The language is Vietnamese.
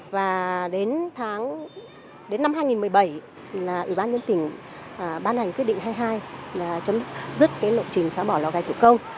và đến năm hai nghìn một mươi bảy ủy ban nhân tỉnh ban hành quyết định hai mươi hai là chấm dứt cái lộ trình xóa bỏ lò gạch thủ công